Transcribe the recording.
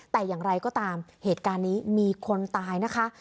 แต่อย่างไรก็ตามเหตุการณ์นี้มีคนตายนะคะ